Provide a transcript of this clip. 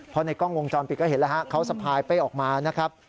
เพราะในกล้องวงจรปิดก็เห็นแล้วฮะเขาสะพายเป้ออกมานะครับ